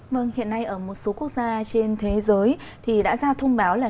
vâng hiện nay ở một số quốc gia trên thế giới thì đã ra thông báo là